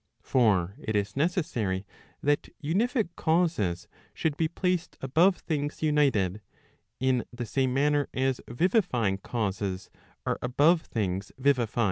For it is necessary that unific causes should be placed above things united, in the same manner as vivifying causes are above things vivified, *« Multam habere partem."